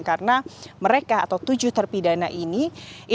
karena mereka atau tujuh terpidana ini dipindahkan ke lapas banci